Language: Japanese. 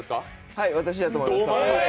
はい、私だと思います。